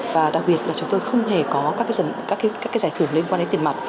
và đặc biệt là chúng tôi không hề có các giải thưởng liên quan đến tiền mặt